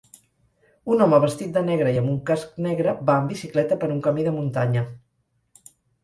Un home vestit de negre i amb un casc negre va en bicicleta per un camí de muntanya.